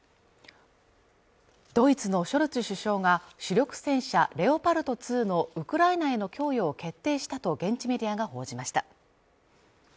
ドイツのショルツ首相が主力戦車レオパルト２のウクライナへの供与を決定したと現地メディアが報じました